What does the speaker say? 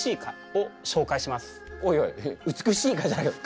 おいおい「美しい蚊」じゃないよ